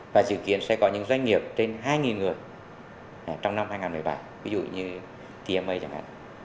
và dự kiến sẽ có những doanh nghiệp trên hai người trong năm hai nghìn một mươi bảy ví dụ như tma chẳng hạn